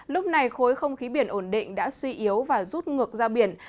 lúc này khối không khí biển ổn định đã suy yếu và rút ngược ra biển